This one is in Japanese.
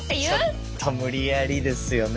ちょっと無理やりですよね